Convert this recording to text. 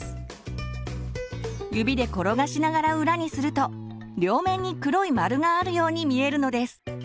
指で転がしながら裏にすると両面に黒い丸があるように見えるのです。